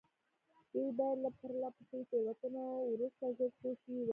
دوی باید له پرله پسې تېروتنو وروسته ژر پوه شوي وای.